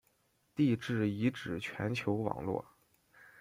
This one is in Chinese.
地质遗址全球网络。